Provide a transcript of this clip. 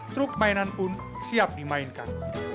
truk mainan pun siap dimainkan